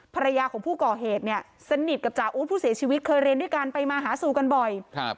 ภรรยาของผู้ก่อเหตุเนี่ยสนิทกับจ่าอู๊ดผู้เสียชีวิตเคยเรียนด้วยกันไปมาหาสู่กันบ่อย